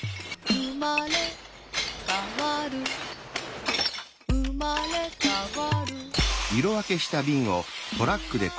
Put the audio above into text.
「うまれかわるうまれかわる」